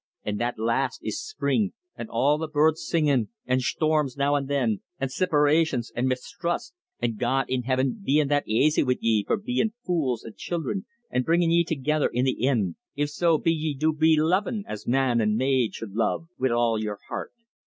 An' that last is spring, an' all the birds singin', an' shtorms now an' thin, an' siparations, an' misthrust, an' God in hivin bein' that aisy wid ye for bein' fools an' children, an' bringin' ye thegither in the ind, if so be ye do be lovin' as man an' maid should love, wid all yer heart.